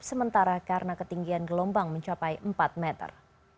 sementara karena ketinggian gelombang mencapai empat meter